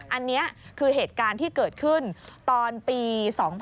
อันนี้คือเหตุการณ์ที่เกิดขึ้นตอนปี๒๕๕๘